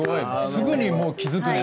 すぐにもう気付くね